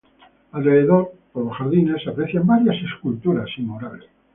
Alrededor, por los jardines se aprecian varias esculturas y murales.